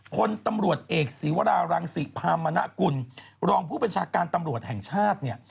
คนตำรวจเอกศิวราเรางสิพามานะกุลรองพผู้เปญชาการตำรวจแห่งชาติ